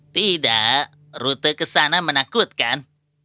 tidak rute ke sana menakutkan